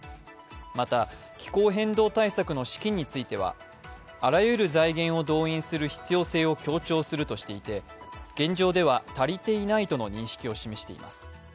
また、気候変動対策の資金についてはあらゆる財源を動員する必要性を強調するとしていて現状では足りていないとの認識を示しています。